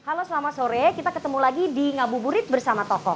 halo selamat sore kita ketemu lagi di ngabuburit bersama tokoh